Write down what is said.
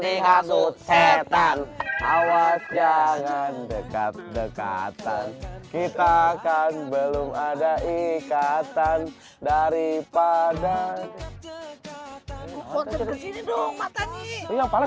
dikacau setan awas jangan dekat dekatan kita akan belum ada ikatan daripada